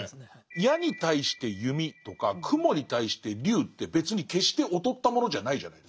矢に対して弓とか雲に対して龍って別に決して劣ったものじゃないじゃないですか。